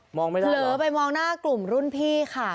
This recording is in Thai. เหลือไปมองหน้ากลุ่มรุ่นพี่ค่ะ